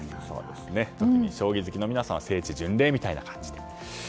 特に将棋好きな皆さんは聖地巡礼という感じで。